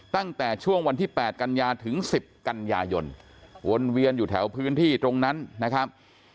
ตั้งแต่ช่วงวันที่๘กันยาถึง๑๐กันยายนวนเวียนอยู่แถวพื้นที่ตรงนั้นนะครับ